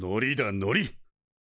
のり？